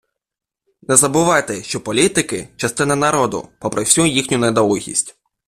Не забувайте, що політики - частина народу, попри всю їхню недолугість.